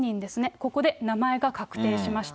ここで名前が確定しました。